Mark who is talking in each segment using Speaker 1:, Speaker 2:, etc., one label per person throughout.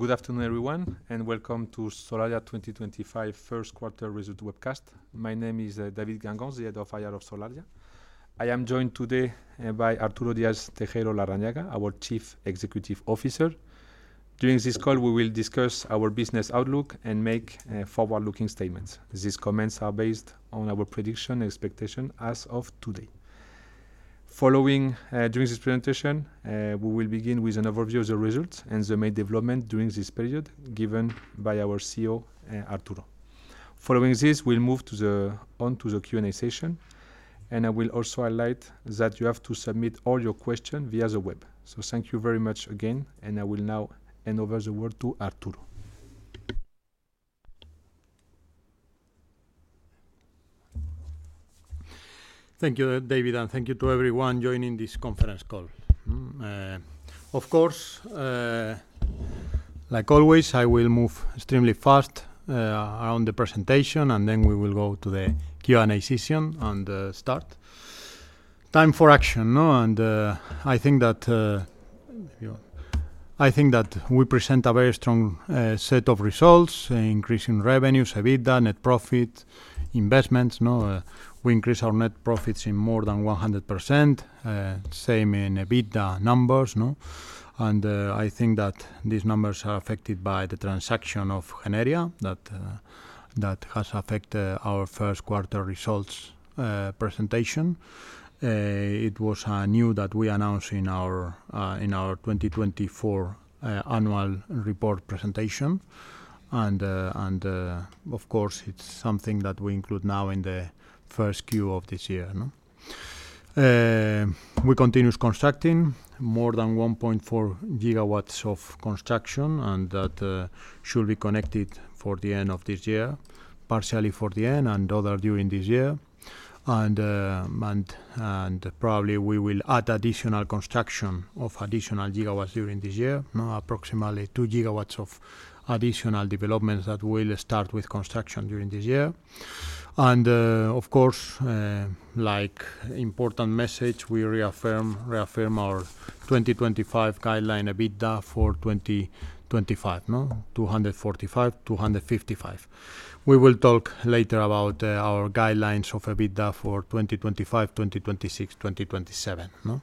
Speaker 1: Good afternoon, everyone, and welcome to Solaria 2025 First Quarter Result Webcast. My name is David Guengant, the Head of IR of Solaria. I am joined today by Arturo Díaz-Tejeiro Larranaga, our Chief Executive Officer. During this call, we will discuss our business outlook and make forward-looking statements. These comments are based on our prediction and expectation as of today. Following during this presentation, we will begin with an overview of the results and the main development during this period, given by our CEO, Arturo. Following this, we will move on to the Q&A session, and I will also highlight that you have to submit all your questions via the web. Thank you very much again, and I will now hand over the word to Arturo.
Speaker 2: Thank you, David, and thank you to everyone joining this conference call. Of course, like always, I will move extremely fast around the presentation, and then we will go to the Q&A session and start. Time for action, no? I think that we present a very strong set of results: increasing revenues, EBITDA, net profit, investments, no? We increased our net profits by more than 100%, same in EBITDA numbers, no? I think that these numbers are affected by the transaction of Generia, that has affected our first quarter results presentation. It was new that we announced in our 2024 annual report presentation, and of course, it is something that we include now in the first Q of this year, no? We continue constructing more than 1.4 gigawatts of construction, and that should be connected for the end of this year, partially for the end and other during this year. Probably we will add additional construction of additional gigawatts during this year, no? Approximately 2 gigawatts of additional developments that will start with construction during this year. Of course, like an important message, we reaffirm our 2025 guideline EBITDA for 2025, no? 245 million-255 million. We will talk later about our guidelines of EBITDA for 2025, 2026, 2027, no?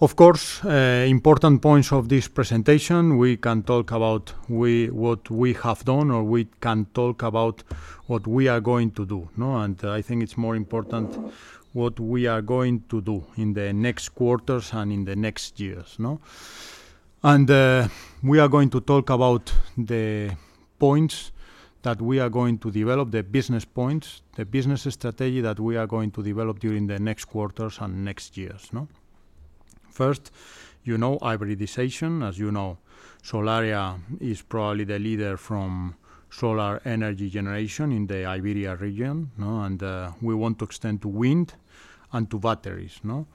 Speaker 2: Of course, important points of this presentation, we can talk about what we have done, or we can talk about what we are going to do, no? I think it's more important what we are going to do in the next quarters and in the next years, no? We are going to talk about the points that we are going to develop, the business points, the business strategy that we are going to develop during the next quarters and next years, no? First, you know hybridization. As you know, Solaria is probably the leader from solar energy generation in the Iberia region, no? We want to extend to wind and to batteries, no?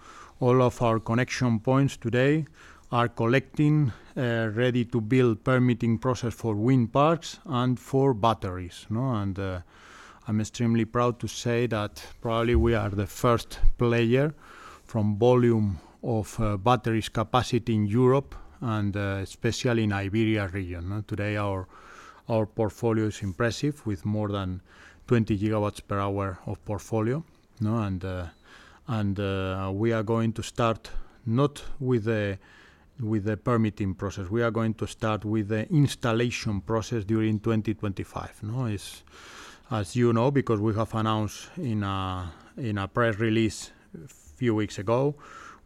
Speaker 2: All of our connection points today are collecting, ready to build permitting process for wind parks and for batteries, no? I am extremely proud to say that probably we are the first player from volume of batteries capacity in Europe, and especially in Iberia region, no? Today, our portfolio is impressive with more than 20 gigawatt per hour of portfolio, no? We are going to start not with the permitting process, we are going to start with the installation process during 2025, no? As you know, because we have announced in a press release a few weeks ago,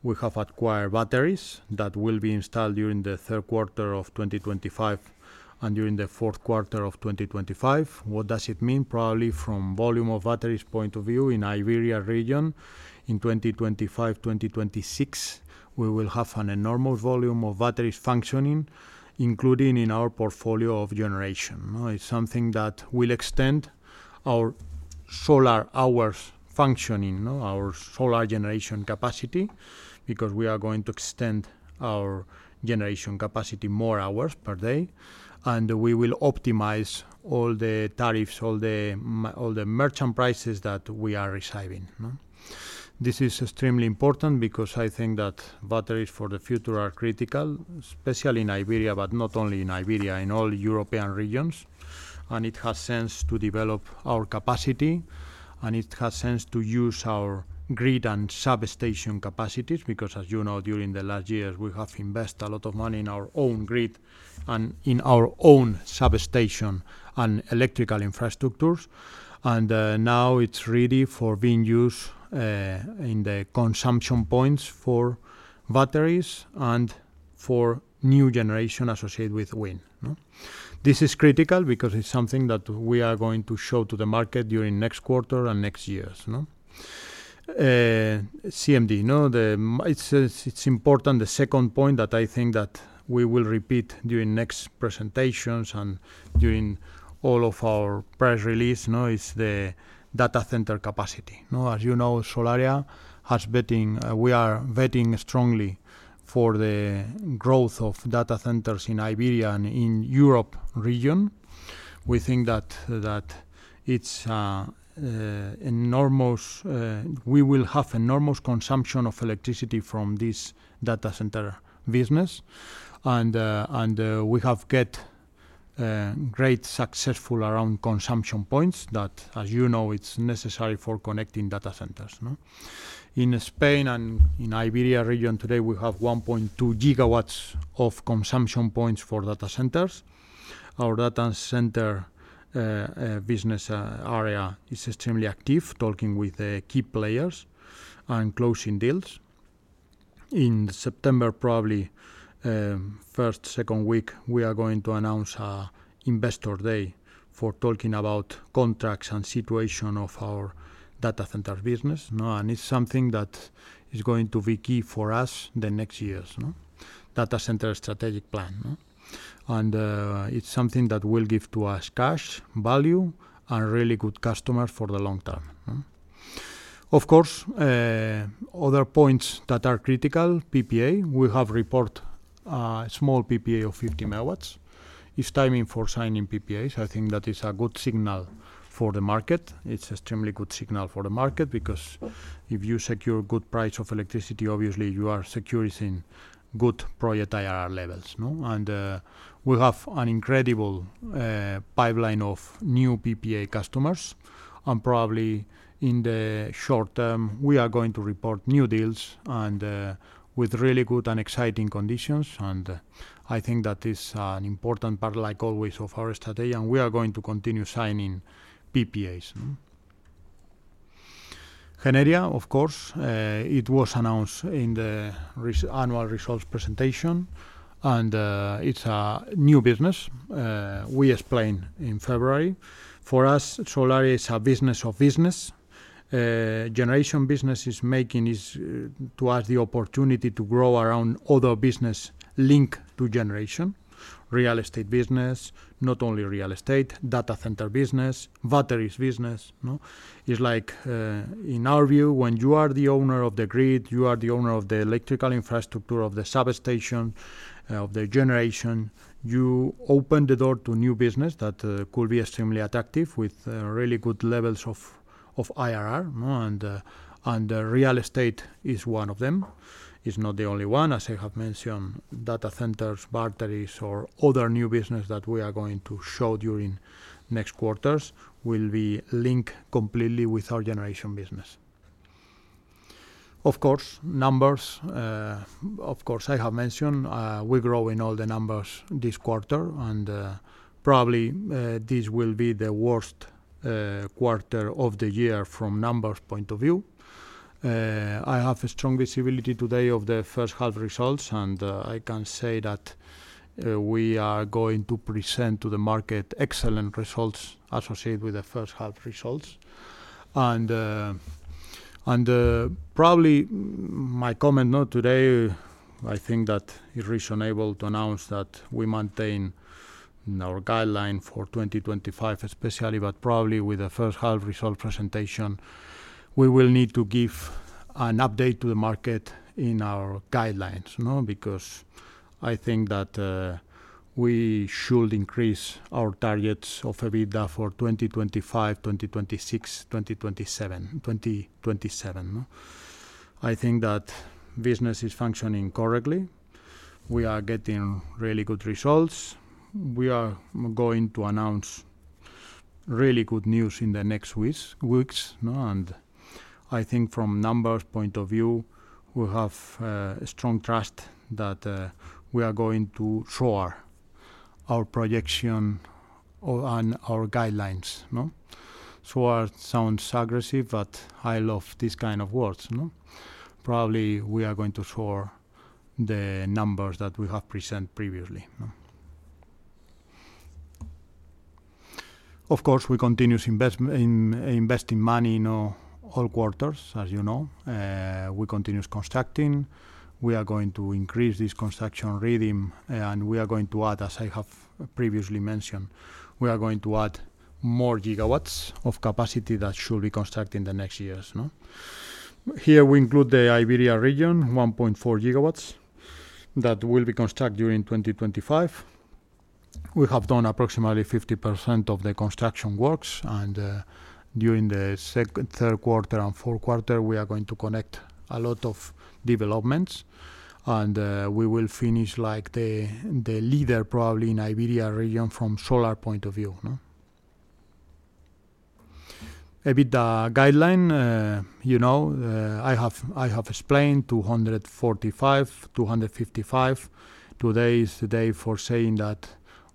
Speaker 2: we have acquired batteries that will be installed during the third quarter of 2025 and during the fourth quarter of 2025. What does it mean? Probably from volume of batteries point of view in Iberia region, in 2025, 2026, we will have an enormous volume of batteries functioning, including in our portfolio of generation, no? It's something that will extend our solar hours functioning, no? Our solar generation capacity, because we are going to extend our generation capacity more hours per day, and we will optimize all the tariffs, all the merchant prices that we are receiving, no? This is extremely important because I think that batteries for the future are critical, especially in Iberia, but not only in Iberia, in all European regions. It has sense to develop our capacity, and it has sense to use our grid and substation capacities, because as you know, during the last years, we have invested a lot of money in our own grid and in our own substation and electrical infrastructures. Now it is ready for being used in the consumption points for batteries and for new generation associated with wind, no? This is critical because it is something that we are going to show to the market during next quarter and next years, no? CMD, no? It is important. The second point that I think that we will repeat during next presentations and during all of our press release, no? Is the data center capacity, no? As you know, Solaria has vetting, we are vetting strongly for the growth of data centers in Iberia and in the Europe region. We think that it is enormous, we will have enormous consumption of electricity from this data center business, and we have got great success around consumption points that, as you know, it is necessary for connecting data centers, no? In Spain and in the Iberia region today, we have 1.2 gigawatts of consumption points for data centers. Our data center business area is extremely active, talking with key players and closing deals. In September, probably first, second week, we are going to announce an Investor Day for talking about contracts and the situation of our data center business, no? And it is something that is going to be key for us the next years, no? Data center strategic plan, no? It is something that will give us cash value and really good customers for the long term, no? Of course, other points that are critical, PPA, we have reported a small PPA of 50 MW. It is timing for signing PPAs. I think that is a good signal for the market. It is an extremely good signal for the market because if you secure a good price of electricity, obviously you are securing good project IRR levels, no? We have an incredible pipeline of new PPA customers, and probably in the short term, we are going to report new deals with really good and exciting conditions. I think that is an important part, like always, of our strategy, and we are going to continue signing PPAs, no? Generia, of course, it was announced in the annual results presentation, and it is a new business. We explained in February, for us, Solaria is a business of business. Generation business is making is to us the opportunity to grow around other business links to generation, real estate business, not only real estate, data center business, batteries business, no? It's like in our view, when you are the owner of the grid, you are the owner of the electrical infrastructure of the substation, of the generation, you open the door to new business that could be extremely attractive with really good levels of IRR, no? Real estate is one of them. It's not the only one, as I have mentioned, data centers, batteries, or other new business that we are going to show during next quarters will be linked completely with our generation business. Of course, numbers, of course, I have mentioned, we're growing all the numbers this quarter, and probably this will be the worst quarter of the year from a numbers point of view. I have a strong visibility today of the first half results, and I can say that we are going to present to the market excellent results associated with the first half results. Probably my comment, no? Today, I think that it's reasonable to announce that we maintain our guideline for 2025 especially, but probably with the first half result presentation, we will need to give an update to the market in our guidelines, no? Because I think that we should increase our targets of EBITDA for 2025, 2026, 2027, 2027, no? I think that business is functioning correctly. We are getting really good results. We are going to announce really good news in the next weeks, no? I think from a numbers point of view, we have strong trust that we are going to show our projection and our guidelines, no? Sure, it sounds aggressive, but I love this kind of words, no? Probably we are going to show the numbers that we have presented previously, no? Of course, we continue investing money, no? All quarters, as you know, we continue constructing. We are going to increase this construction reading, and we are going to add, as I have previously mentioned, we are going to add more gigawatts of capacity that should be constructed in the next years, no? Here we include the Iberia region, 1.4 gigawatts that will be constructed during 2025. We have done approximately 50% of the construction works, and during the third quarter and fourth quarter, we are going to connect a lot of developments, and we will finish like the leader probably in the Iberia region from a solar point of view, no? EBITDA guideline, you know, I have explained 245-255. Today is the day for saying that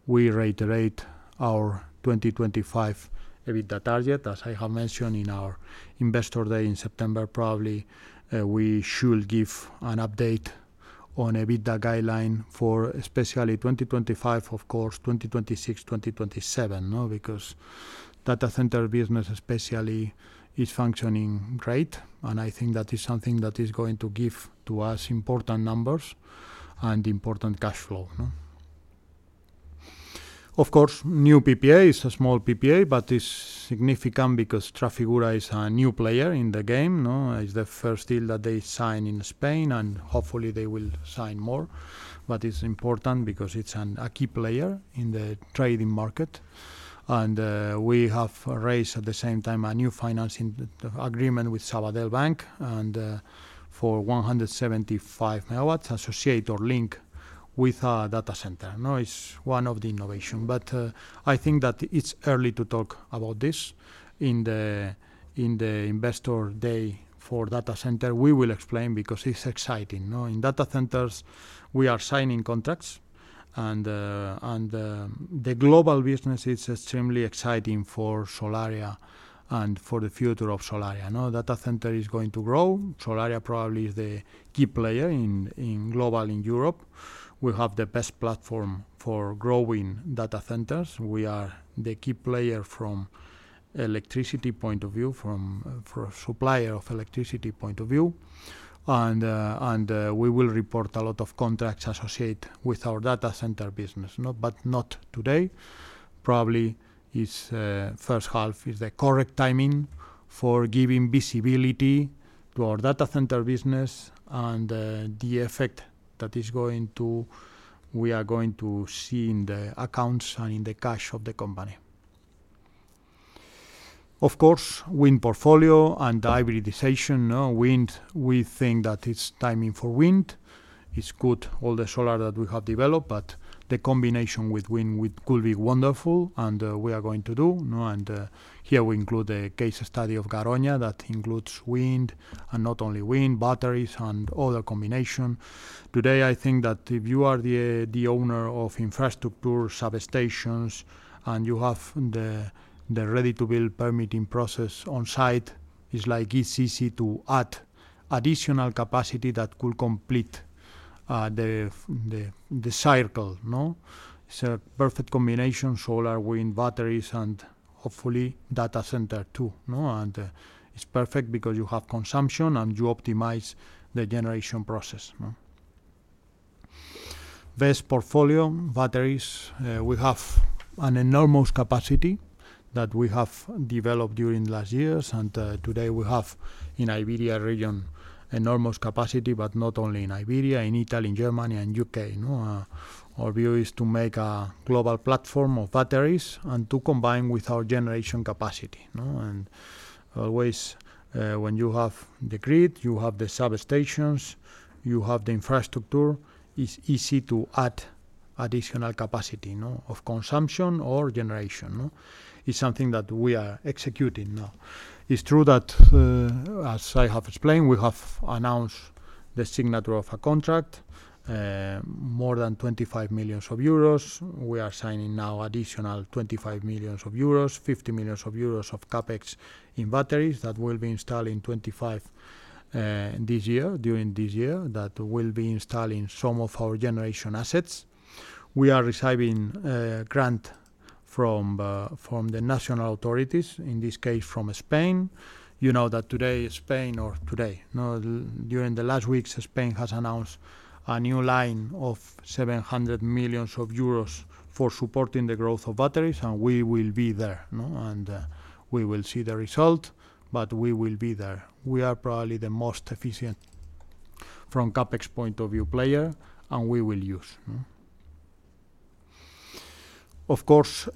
Speaker 2: we reiterate our 2025 EBITDA target. As I have mentioned in our Investor Day in September, probably we should give an update on EBITDA guideline for especially 2025, of course, 2026, 2027, no? Because data center business especially is functioning great, and I think that is something that is going to give to us important numbers and important cash flow, no? Of course, new PPA is a small PPA, but it's significant because Trafigura is a new player in the game, no? It's the first deal that they signed in Spain, and hopefully they will sign more. It's important because it's a key player in the trading market. We have raised at the same time a new financing agreement with Banco Sabadell for 175 MW associated or linked with our data center, no? It's one of the innovations, but I think that it's early to talk about this in the Investor Day for data center. We will explain because it's exciting, no? In data centers, we are signing contracts, and the global business is extremely exciting for Solaria and for the future of Solaria, no? Data center is going to grow. Solaria probably is the key player globally in Europe. We have the best platform for growing data centers. We are the key player from an electricity point of view, from a supplier of electricity point of view, and we will report a lot of contracts associated with our data center business, no? Not today. Probably the first half is the correct timing for giving visibility to our data center business and the effect that is going to, we are going to see in the accounts and in the cash of the company. Of course, wind portfolio and hybridization, no? Wind, we think that it's timing for wind. It's good, all the solar that we have developed, but the combination with wind could be wonderful, and we are going to do, no? Here we include the case study of Garrone that includes wind, and not only wind, batteries, and other combinations. Today, I think that if you are the owner of infrastructure, substations, and you have the ready-to-build permitting process on site, it's like it's easy to add additional capacity that could complete the cycle, no? It's a perfect combination: solar, wind, batteries, and hopefully data center too, no? It's perfect because you have consumption and you optimize the generation process, no? Best portfolio: batteries. We have an enormous capacity that we have developed during the last years, and today we have in the Iberia region enormous capacity, but not only in Iberia, in Italy, in Germany, and the U.K., no? Our view is to make a global platform of batteries and to combine with our generation capacity, no? Always when you have the grid, you have the substations, you have the infrastructure, it's easy to add additional capacity, no? Of consumption or generation, no? It's something that we are executing now. It's true that, as I have explained, we have announced the signature of a contract, more than 25 million euros. We are signing now additional 25 million euros, 50 million euros of CapEx in batteries that will be installed in 2025, during this year, that will be installing some of our generation assets. We are receiving grants from the national authorities, in this case from Spain. You know that today, Spain, or today, no? During the last weeks, Spain has announced a new line of 700 million euros for supporting the growth of batteries, and we will be there, no? And we will see the result, but we will be there. We are probably the most efficient from a CapEx point of view player, and we will use, no? Of course,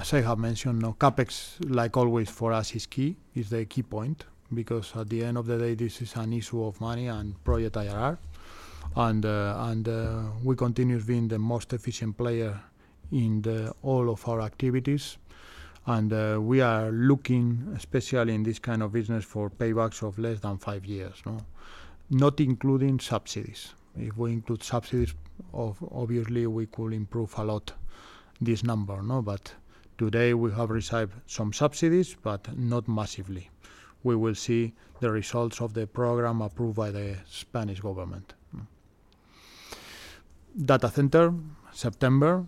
Speaker 2: as I have mentioned, no? Capex, like always, for us is key. It's the key point because at the end of the day, this is an issue of money and project IRR, and we continue being the most efficient player in all of our activities. We are looking, especially in this kind of business, for paybacks of less than five years, no? Not including subsidies. If we include subsidies, obviously we could improve a lot this number, no? Today we have received some subsidies, but not massively. We will see the results of the program approved by the Spanish government. Data center, September,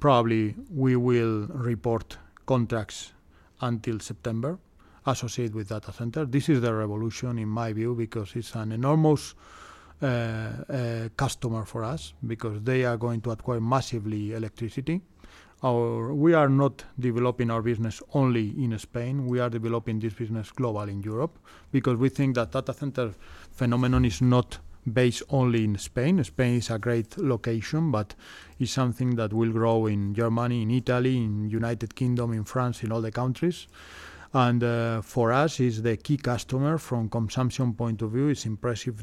Speaker 2: probably we will report contracts until September associated with data centers. This is the revolution in my view because it's an enormous customer for us because they are going to acquire massively electricity. We are not developing our business only in Spain. We are developing this business globally in Europe because we think that data center phenomenon is not based only in Spain. Spain is a great location, but it is something that will grow in Germany, in Italy, in the U.K., in France, in all the countries. For us, it is the key customer from a consumption point of view. It is impressive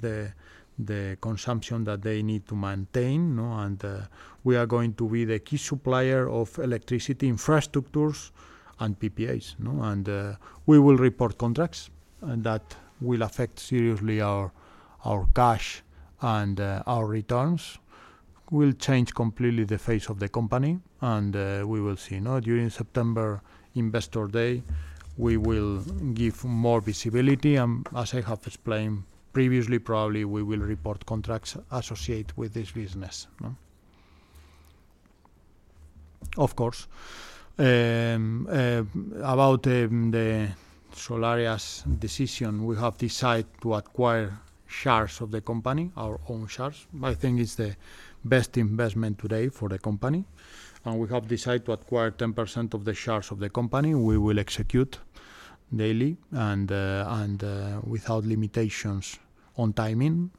Speaker 2: the consumption that they need to maintain, no? We are going to be the key supplier of electricity infrastructures and PPAs, no? We will report contracts that will affect seriously our cash and our returns. It will change completely the face of the company, and we will see, no? During September Investor Day, we will give more visibility, and as I have explained previously, probably we will report contracts associated with this business, no? Of course. About Solaria's decision, we have decided to acquire shares of the company, our own shares. I think it's the best investment today for the company, and we have decided to acquire 10% of the shares of the company. We will execute daily and without limitations on timing,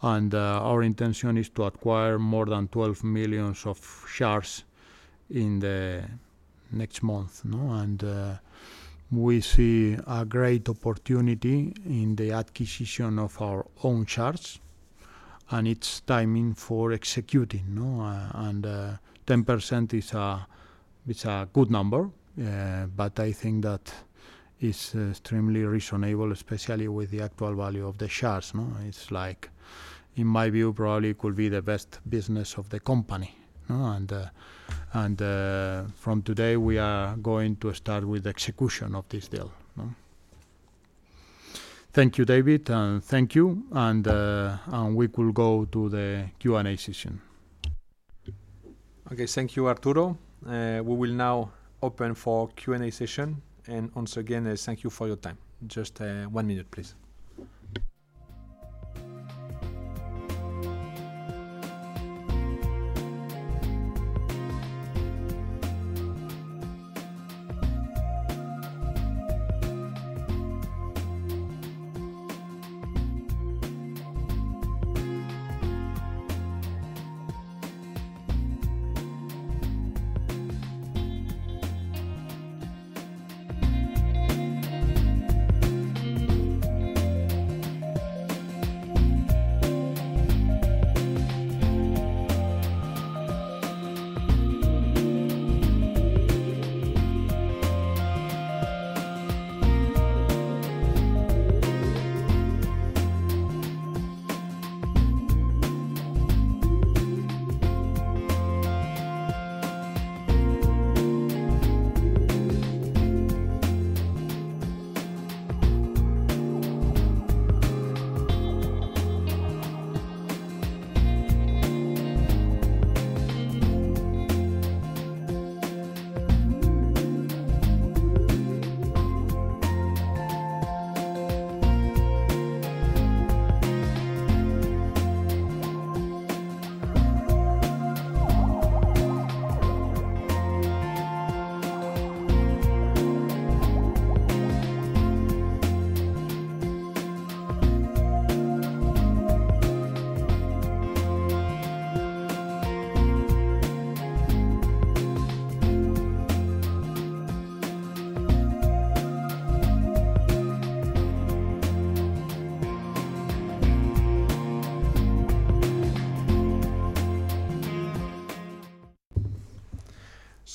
Speaker 2: and our intention is to acquire more than 12 million shares in the next month, no? We see a great opportunity in the acquisition of our own shares, and it's timing for executing, no? 10% is a good number, but I think that it's extremely reasonable, especially with the actual value of the shares, no? It's like, in my view, probably it could be the best business of the company, no? From today, we are going to start with the execution of this deal, no? Thank you, David, and thank you, and we could go to the Q&A session.
Speaker 1: Okay, thank you, Arturo. We will now open for a Q&A session, and once again, thank you for your time. Just one minute, please.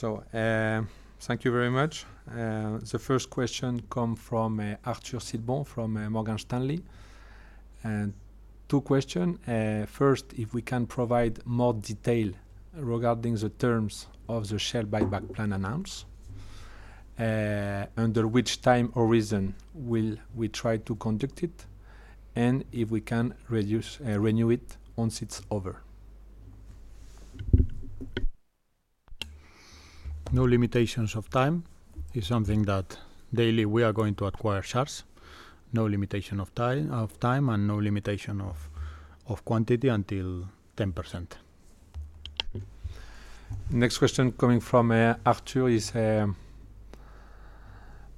Speaker 1: Thank you very much. The first question comes from Arthur Sedebon from Morgan Stanley. Two questions. First, if we can provide more detail regarding the terms of the share buyback plan announced, under which time or reason will we try to conduct it, and if we can renew it once it is over.
Speaker 2: No limitations of time. It is something that daily we are going to acquire shares. No limitation of time, and no limitation of quantity until 10%.
Speaker 1: Next question coming from Arthur is,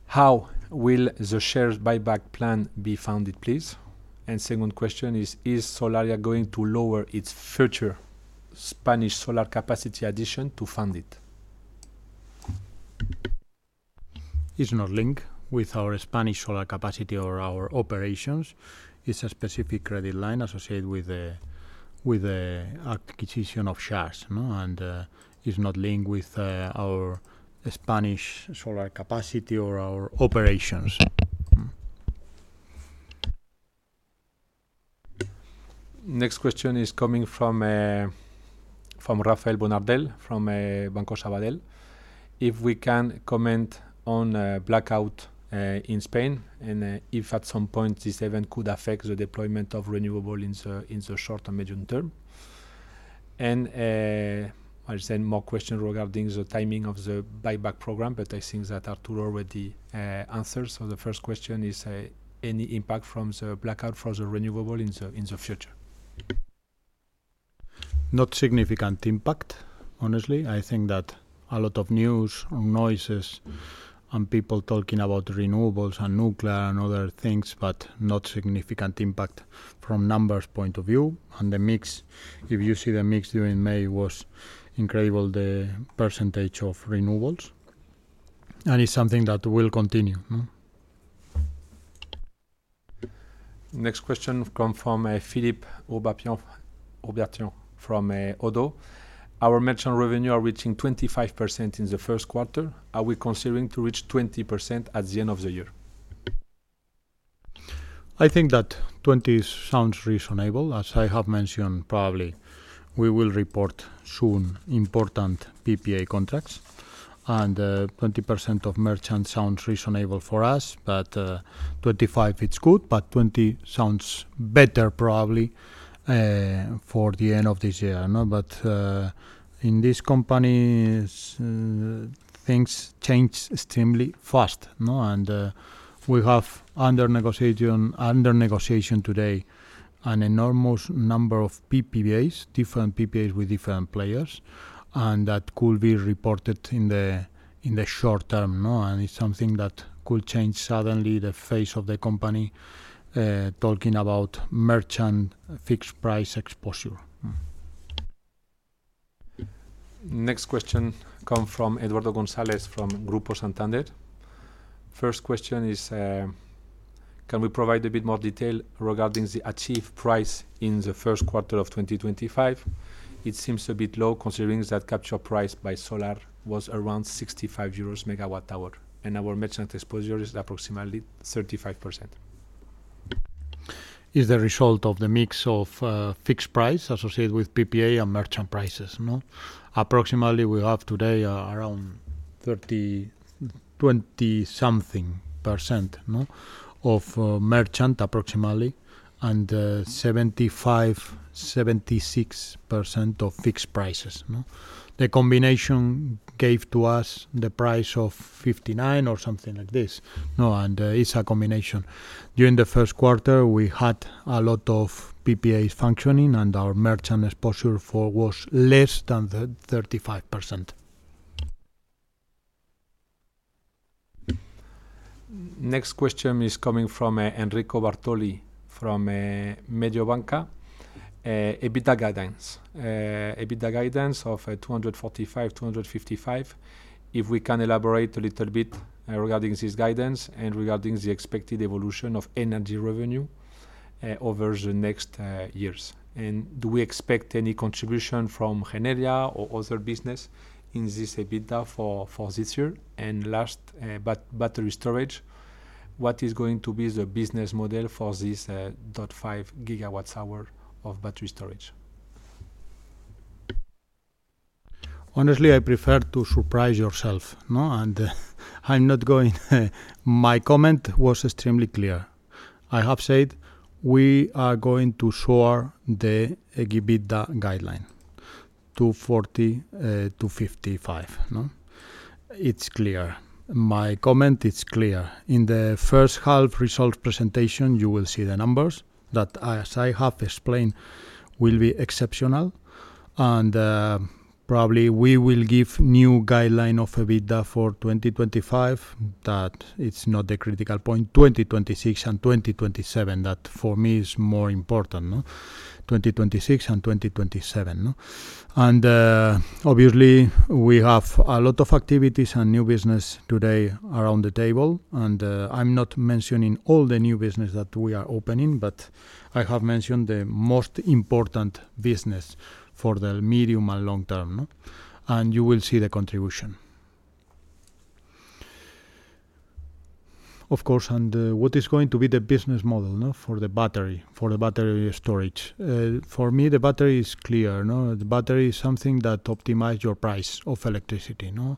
Speaker 1: how will the share buyback plan be funded, please? Second question is, is Solaria going to lower its future Spanish solar capacity addition to fund it?
Speaker 2: It's not linked with our Spanish solar capacity or our operations. It's a specific credit line associated with the acquisition of shares, no? It's not linked with our Spanish solar capacity or our operations.
Speaker 1: Next question is coming from Rafael Bonardel from Banco Sabadell. If we can comment on blackout in Spain, and if at some point this event could affect the deployment of renewable in the short and medium term. I'll send more questions regarding the timing of the buyback program, but I think that Arturo already answered. The first question is, any impact from the blackout for the renewable in the future?
Speaker 2: Not significant impact, honestly. I think that a lot of news and noises and people talking about renewables and nuclear and other things, but not significant impact from a numbers point of view. The mix, if you see the mix during May, was incredible, the percentage of renewables. It is something that will continue, no?
Speaker 1: Next question comes from Philippe Aubertin from ODDO. Our merchant revenue is reaching 25% in the first quarter. Are we considering to reach 20% at the end of the year?
Speaker 2: I think that 20% sounds reasonable. As I have mentioned, probably we will report soon important PPA contracts, and 20% of merchant sounds reasonable for us, but 25% is good, but 20% sounds better probably for the end of this year, no? In this company, things change extremely fast, no? We have under negotiation today an enormous number of PPAs, different PPAs with different players, and that could be reported in the short term, no? It is something that could change suddenly the face of the company talking about merchant fixed price exposure.
Speaker 1: Next question comes from Eduardo Gonzalez from Grupo Santander. First question is, can we provide a bit more detail regarding the achieved price in the first quarter of 2025? It seems a bit low considering that capture price by solar was around 65 euros per megawatt hour, and our merchant exposure is approximately 35%.
Speaker 2: It's the result of the mix of fixed price associated with PPA and merchant prices, no? Approximately we have today around 30, 20-something percent, no? Of merchant approximately, and 75, 76% of fixed prices, no? The combination gave to us the price of 59 or something like this, no? And it's a combination. During the first quarter, we had a lot of PPAs functioning, and our merchant exposure was less than 35%.
Speaker 1: Next question is coming from Enrico Bartoli from MedioBanca. EBITDA guidance. EBITDA guidance of 245 million-255 million. If we can elaborate a little bit regarding this guidance and regarding the expected evolution of energy revenue over the next years. Do we expect any contribution from Generia or other business in this EBITDA for this year? Last, battery storage. What is going to be the business model for this 0.5 gigawatt hour of battery storage?
Speaker 2: Honestly, I prefer to surprise yourself, no? I'm not going to... My comment was extremely clear. I have said we are going to shore the EBITDA guideline to 40-55, no? It's clear. My comment is clear. In the first half results presentation, you will see the numbers that, as I have explained, will be exceptional. Probably we will give new guideline of EBITDA for 2025, that it's not the critical point, 2026 and 2027, that for me is more important, no? 2026 and 2027, no? Obviously, we have a lot of activities and new business today around the table, and I'm not mentioning all the new business that we are opening, but I have mentioned the most important business for the medium and long term, no? You will see the contribution. Of course, what is going to be the business model, no? For the battery, for the battery storage. For me, the battery is clear, no? Battery is something that optimizes your price of electricity, no?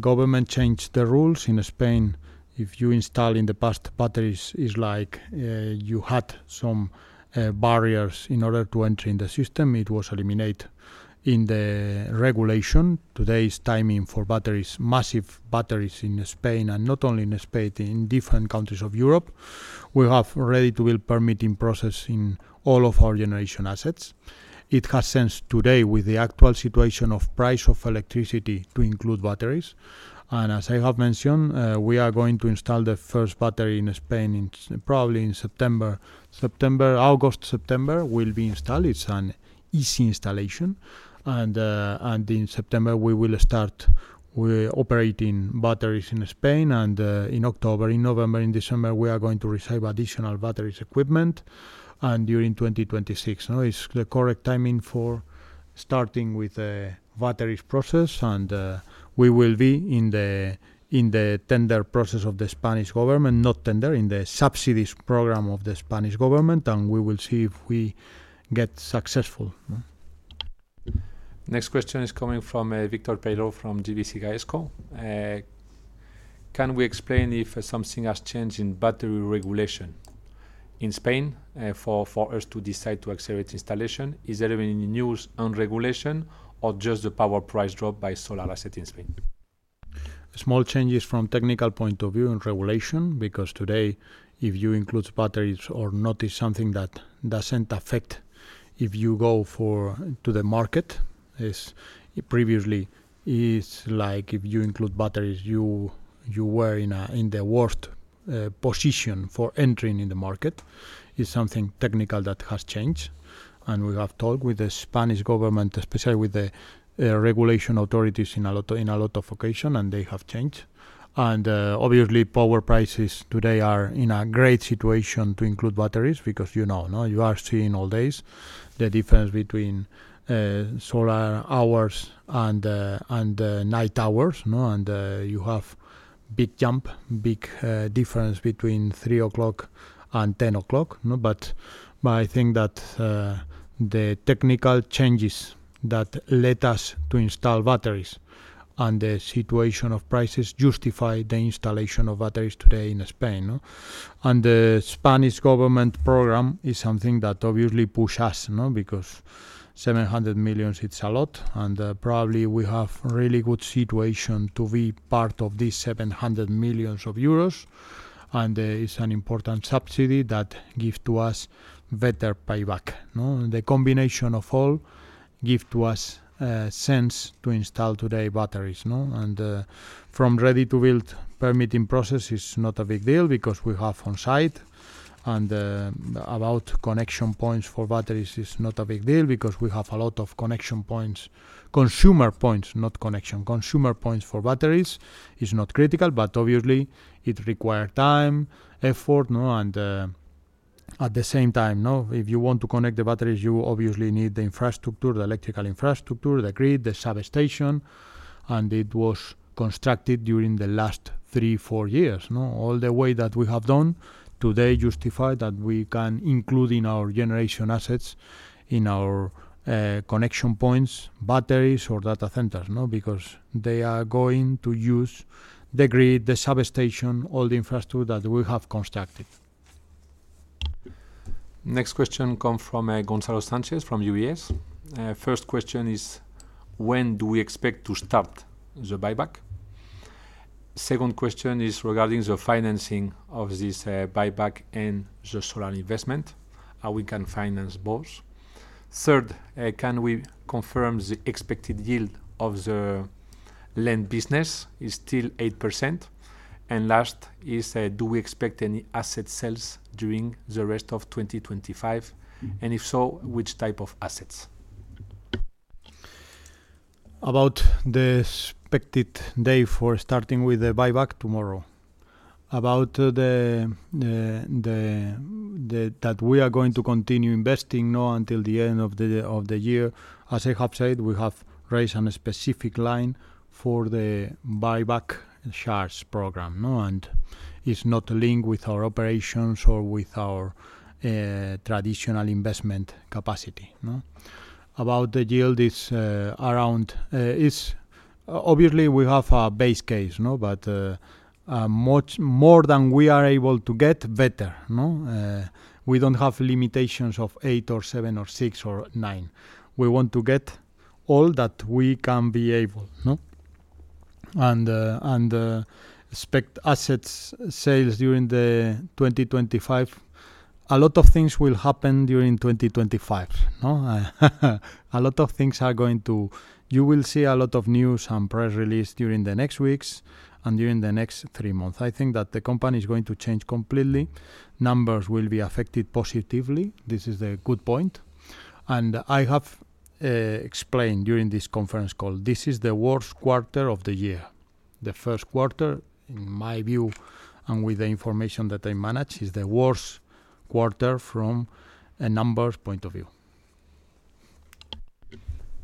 Speaker 2: Government changed the rules in Spain. If you install in the past batteries, it's like you had some barriers in order to enter in the system. It was eliminated in the regulation. Today's timing for batteries, massive batteries in Spain, and not only in Spain, in different countries of Europe. We have ready-to-build permitting process in all of our generation assets. It has sense today with the actual situation of price of electricity to include batteries. As I have mentioned, we are going to install the first battery in Spain probably in September, August, September will be installed. It's an easy installation. In September, we will start operating batteries in Spain, and in October, in November, in December, we are going to receive additional batteries equipment. During 2026, no? It's the correct timing for starting with the batteries process, and we will be in the tender process of the Spanish government, not tender, in the subsidies program of the Spanish government, and we will see if we get successful, no?
Speaker 1: Next question is coming from Victor Pello from GBC Gayasco. Can we explain if something has changed in battery regulation in Spain for us to decide to accelerate installation? Is there any news on regulation or just the power price drop by solar asset in Spain?
Speaker 2: Small changes from a technical point of view in regulation, because today, if you include batteries or not, it is something that does not affect if you go to the market. Previously, it is like if you include batteries, you were in the worst position for entering in the market. It is something technical that has changed, and we have talked with the Spanish government, especially with the regulation authorities on a lot of occasions, and they have changed. Obviously, power prices today are in a great situation to include batteries, because you know, no? You are seeing all days the difference between solar hours and night hours, no? You have a big jump, big difference between 3 o'clock and 10 o'clock, no? I think that the technical changes that led us to install batteries and the situation of prices justify the installation of batteries today in Spain, no? The Spanish government program is something that obviously pushes us, no? Because 700 million is a lot, and probably we have a really good situation to be part of these 700 million euros, and it's an important subsidy that gives to us better payback, no? The combination of all gives to us a sense to install today batteries, no? From ready-to-build permitting process, it's not a big deal, because we have on-site, and about connection points for batteries, it's not a big deal, because we have a lot of connection points, consumer points, not connection, consumer points for batteries. It's not critical, but obviously, it requires time, effort, no? At the same time, no? If you want to connect the batteries, you obviously need the infrastructure, the electrical infrastructure, the grid, the substation, and it was constructed during the last three, four years, no? All the way that we have done today justifies that we can include in our generation assets, in our connection points, batteries or data centers, no? Because they are going to use the grid, the substation, all the infrastructure that we have constructed.
Speaker 1: Next question comes from Gonzalo Sanchez from UBS. First question is, when do we expect to start the buyback? Second question is regarding the financing of this buyback and the solar investment. Are we going to finance both? Third, can we confirm the expected yield of the land business? It's still 8%. And last is, do we expect any asset sales during the rest of 2025? And if so, which type of assets?
Speaker 2: About the expected day for starting with the buyback, tomorrow. About that we are going to continue investing, no? Until the end of the year. As I have said, we have raised a specific line for the buyback shares program, no? It is not linked with our operations or with our traditional investment capacity, no? About the yield, it is around, it is obviously we have a base case, no? Much more than we are able to get, better, no? We do not have limitations of eight or seven or six or nine. We want to get all that we can be able, no? Expect assets sales during 2025. A lot of things will happen during 2025, no? A lot of things are going to, you will see a lot of news and press releases during the next weeks and during the next three months. I think that the company is going to change completely. Numbers will be affected positively. This is a good point. I have explained during this conference call, this is the worst quarter of the year. The first quarter, in my view and with the information that I manage, is the worst quarter from a numbers point of view.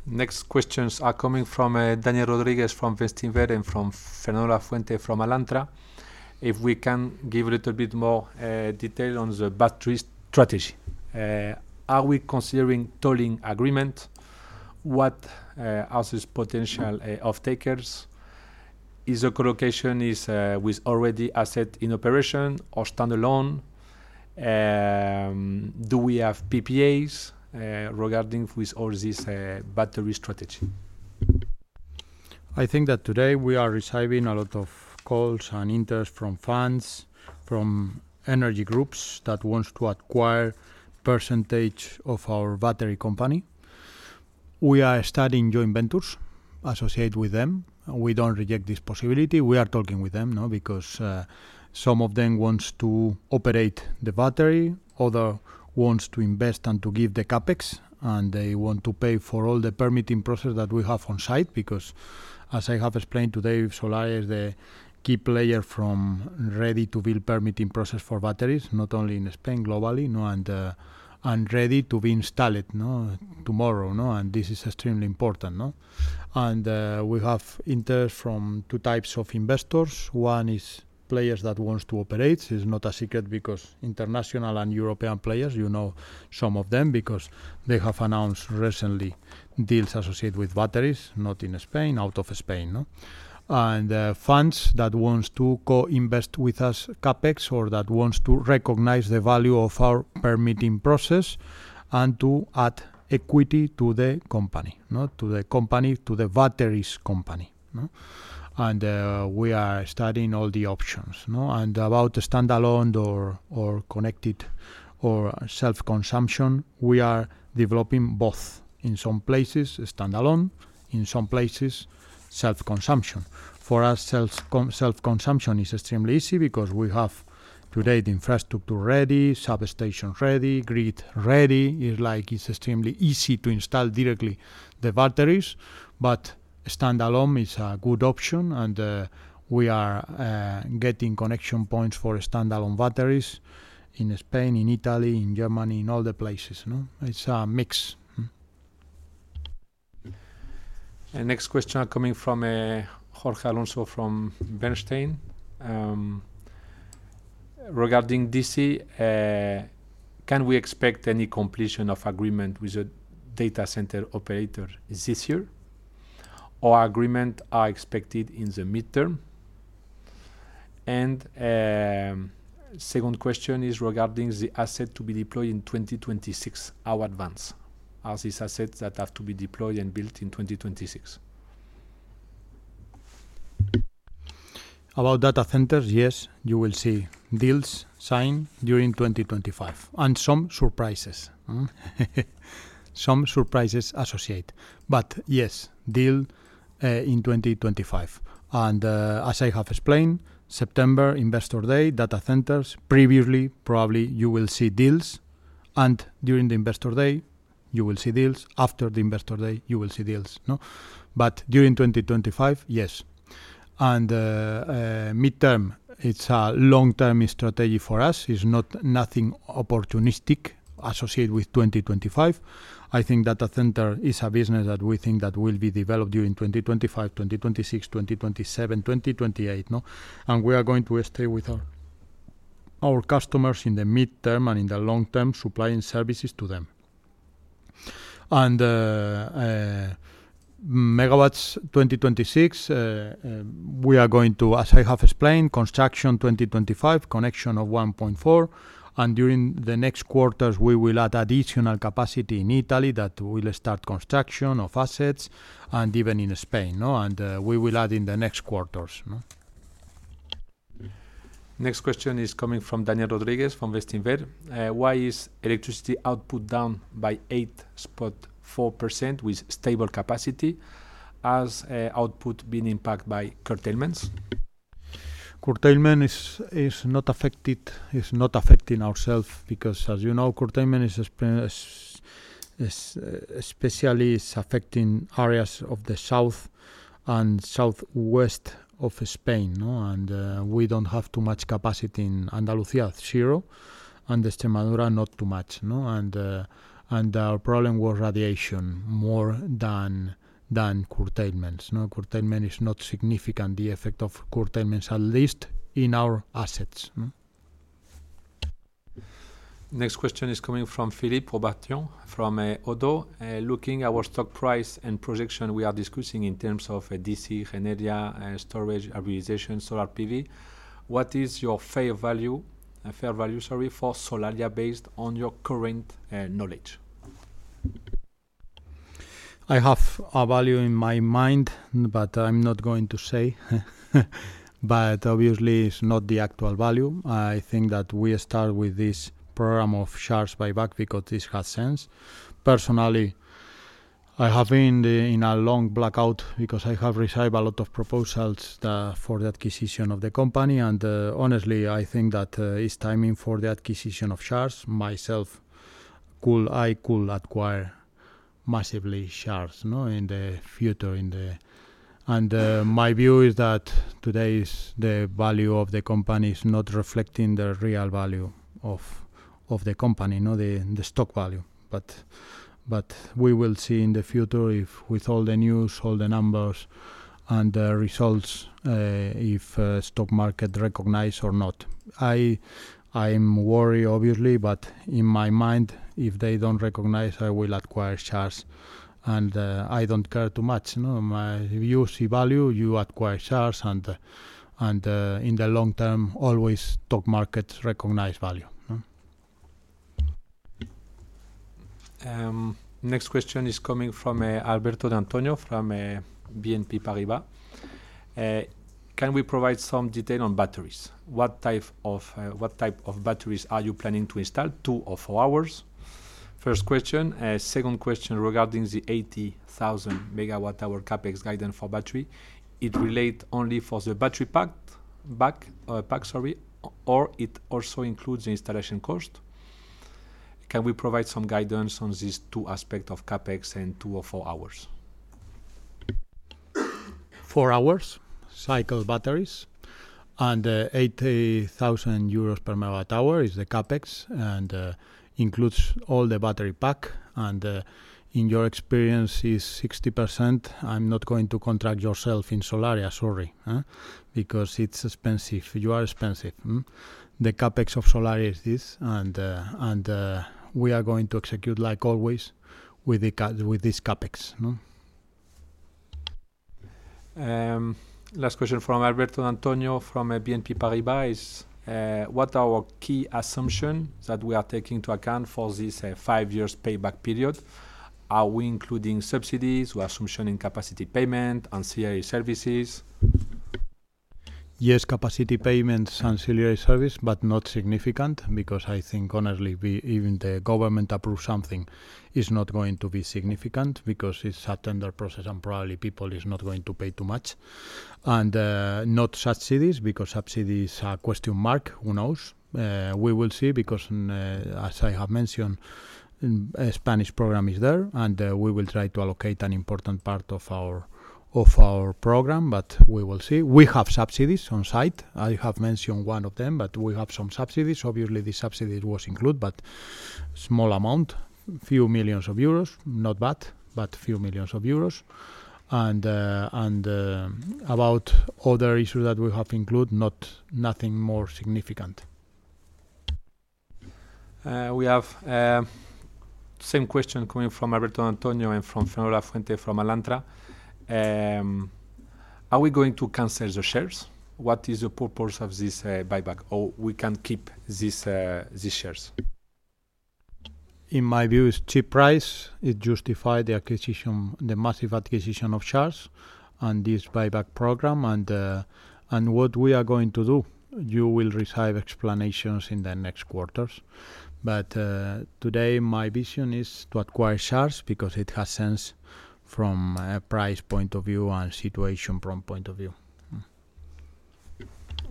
Speaker 1: Next questions are coming from Daniel Rodriguez from Festinver and from Fernanda Fuente from Alantra. If we can give a little bit more detail on the battery strategy. Are we considering tolling agreement? What are these potential off-takers? Is the colocation with already asset in operation or stand-alone? Do we have PPAs regarding with all this battery strategy? I think that today we are receiving a lot of calls and interest from funds, from energy groups that want to acquire a percentage of our battery company.
Speaker 2: We are studying joint ventures associated with them. We do not reject this possibility. We are talking with them, no? Because some of them want to operate the battery, others want to invest and to give the CapEx, and they want to pay for all the permitting process that we have on-site, because as I have explained today, Solaria is the key player from ready-to-build permitting process for batteries, not only in Spain, globally, no? And ready to be installed, no? Tomorrow, no? This is extremely important, no? We have interest from two types of investors. One is players that want to operate. It is not a secret because international and European players, you know some of them, because they have announced recently deals associated with batteries, not in Spain, out of Spain, no? Funds that want to co-invest with us CapEx or that want to recognize the value of our permitting process and to add equity to the company, no? To the company, to the batteries company, no? We are studying all the options, no? About stand-alone or connected or self-consumption, we are developing both. In some places stand-alone, in some places self-consumption. For us, self-consumption is extremely easy because we have today the infrastructure ready, substation ready, grid ready. It is like it is extremely easy to install directly the batteries, but stand-alone is a good option, and we are getting connection points for stand-alone batteries in Spain, in Italy, in Germany, in all the places, no? It is a mix.
Speaker 1: Next question coming from Jorge Alonso from Bernstein. Regarding DC, can we expect any completion of agreement with a data center operator this year? Are agreements expected in the midterm? The second question is regarding the asset to be deployed in 2026, how advanced are these assets that have to be deployed and built in 2026?
Speaker 2: About data centers, yes, you will see deals signed during 2025 and some surprises, some surprises associated. Yes, deals in 2025. As I have explained, September Investor Day, data centers, previously probably you will see deals, and during the Investor Day you will see deals, after the Investor Day you will see deals, no? During 2025, yes. In the midterm, it is a long-term strategy for us. It is not anything opportunistic associated with 2025. I think data center is a business that we think will be developed during 2025, 2026, 2027, 2028, no? We are going to stay with our customers in the midterm and in the long term supplying services to them. MW 2026, we are going to, as I have explained, construction 2025, connection of 1.4, and during the next quarters we will add additional capacity in Italy that will start construction of assets and even in Spain, no? We will add in the next quarters, no?
Speaker 1: Next question is coming from Daniel Rodriguez from Festinver. Why is electricity output down by 8.4% with stable capacity? Has output been impacted by curtailments?
Speaker 2: Curtailment is not affecting ourselves because, as you know, curtailment is especially affecting areas of the south and southwest of Spain, no? We do not have too much capacity in Andalucía, zero, and Extremadura, not too much, no? Our problem was radiation more than curtailments, no? Curtailment is not significant, the effect of curtailments at least in our assets, no?
Speaker 1: Next question is coming from Philippe Roberton from ODDO. Looking at our stock price and projection, we are discussing in terms of DC, generator, storage, arborization, solar PV. What is your fair value, sorry, for Solaria based on your current knowledge?
Speaker 2: I have a value in my mind, but I'm not going to say. Obviously, it's not the actual value. I think that we start with this program of shares buyback because this has sense. Personally, I have been in a long blackout because I have received a lot of proposals for the acquisition of the company, and honestly, I think that it's timing for the acquisition of shares. Myself, I could acquire massively shares, no? In the future, and my view is that today's value of the company is not reflecting the real value of the company, no? The stock value. We will see in the future if with all the news, all the numbers and the results, if stock market recognize or not. I am worried, obviously, but in my mind, if they do not recognize, I will acquire shares. I do not care too much, no? My view, see value, you acquire shares, and in the long term, always stock markets recognize value, no?
Speaker 1: Next question is coming from Alberto de Antonio from BNP Paribas. Can we provide some detail on batteries? What type of batteries are you planning to install? Two or four hours? First question. Second question regarding the 80,000 MWh CapEx guidance for battery. It relates only for the battery pack, sorry, or it also includes the installation cost? Can we provide some guidance on these two aspects of CapEx and two or four hours?
Speaker 2: Four hours, cycle batteries, and 80,000 euros per MWh is the capex and includes all the battery pack. And in your experience, it's 60%. I'm not going to contract yourself in Solaria, sorry, because it's expensive. You are expensive. The capex of Solaria is this, and we are going to execute like always with this capex, no?
Speaker 1: Last question from Alberto de Antonio from BNP Paribas is, what are our key assumptions that we are taking into account for this five-year payback period? Are we including subsidies or assumption in capacity payment, ancillary services?
Speaker 2: Yes, capacity payments and ancillary services, but not significant because I think honestly, even the government approves something, it's not going to be significant because it's a tender process and probably people are not going to pay too much. And not subsidies because subsidies are a question mark, who knows? We will see because, as I have mentioned, a Spanish program is there, and we will try to allocate an important part of our program, but we will see. We have subsidies on-site. I have mentioned one of them, but we have some subsidies. Obviously, the subsidies were included, but small amount, a few million EUR, not bad, but a few million EUR. And about other issues that we have included, not nothing more significant.
Speaker 1: We have the same question coming from Alberto de Antonio and from Fernanda Fuente from Alantra. Are we going to cancel the shares? What is the purpose of this buyback? Or we can keep these shares?
Speaker 2: In my view, it's cheap price. It justifies the acquisition, the massive acquisition of shares and this buyback program. What we are going to do, you will receive explanations in the next quarters. Today, my vision is to acquire shares because it has sense from a price point of view and situation point of view.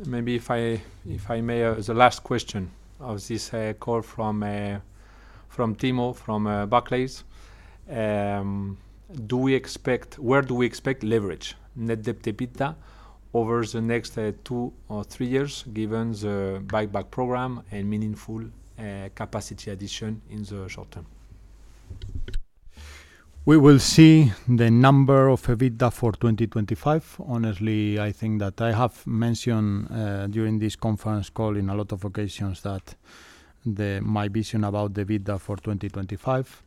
Speaker 1: Maybe if I may, the last question of this call from Timo, from Barclays. Do we expect, where do we expect leverage, net debt EBITDA over the next two or three years given the buyback program and meaningful capacity addition in the short term?
Speaker 2: We will see the number of EBITDA for 2025. Honestly, I think that I have mentioned during this conference call in a lot of occasions that my vision about the EBITDA for 2025,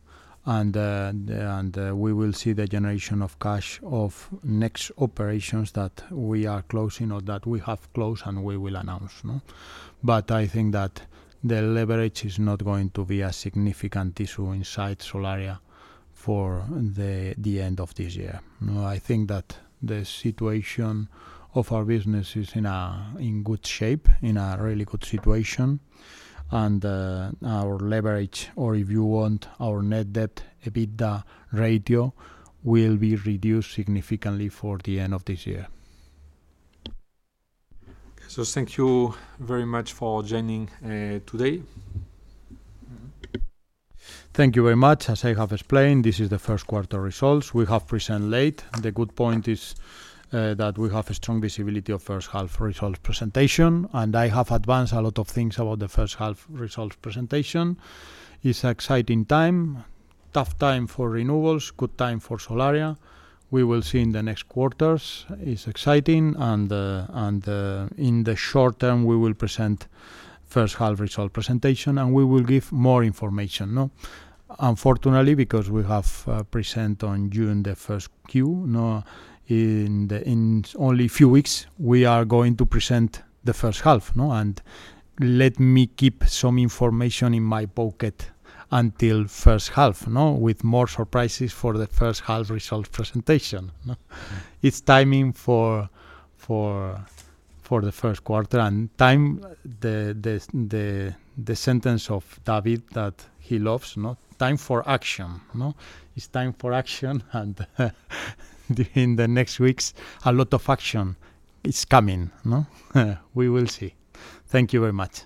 Speaker 2: and we will see the generation of cash of next operations that we are closing or that we have closed and we will announce, no? I think that the leverage is not going to be a significant issue inside Solaria for the end of this year. I think that the situation of our business is in good shape, in a really good situation, and our leverage, or if you want, our net debt EBITDA ratio will be reduced significantly for the end of this year.
Speaker 1: Thank you very much for joining today.
Speaker 2: Thank you very much. As I have explained, this is the first quarter results. We have presented late. The good point is that we have a strong visibility of first half results presentation, and I have advanced a lot of things about the first half results presentation. It's an exciting time, tough time for renewables, good time for Solaria. We will see in the next quarters. It's exciting, and in the short term, we will present first half result presentation, and we will give more information, no? Unfortunately, because we have presented on June the first Q, no? In only a few weeks, we are going to present the first half, no? Let me keep some information in my pocket until first half, no? With more surprises for the first half result presentation, no? It is timing for the first quarter and time, the sentence of David that he loves, no? Time for action, no? It is time for action, and in the next weeks, a lot of action is coming, no? We will see. Thank you very much.